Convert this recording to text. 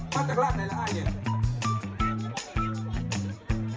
มาจากร่านไหนละไอ้เนี่ย